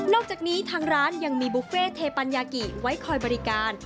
จากนี้ทางร้านยังมีบุฟเฟ่เทปัญญากิไว้คอยบริการ